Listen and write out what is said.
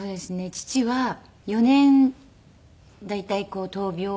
父は４年大体闘病を。